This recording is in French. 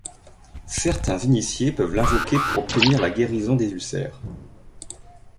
Certains initiés peuvent l'invoquer pour obtenir la guérison des ulcères.